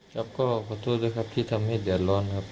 ครับก็ขอโทษด้วยครับที่ทำให้เดือดร้อนครับ